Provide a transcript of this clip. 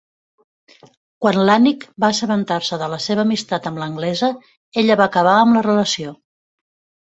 Quan l'Annick va assabentar-se de la seva amistat amb l'anglesa, ella va acabar amb la relació.